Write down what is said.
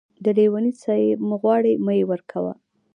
د لېوني څه يې مه غواړه ،مې ورکوه.